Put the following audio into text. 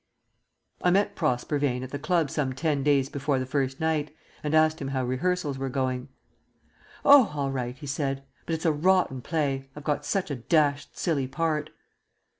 ..... I met Prosper Vane at the club some ten days before the first night, and asked him how rehearsals were going. "Oh, all right," he said. "But it's a rotten play. I've got such a dashed silly part."